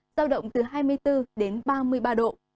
giao động từ hai mươi bốn đến ba mươi ba độ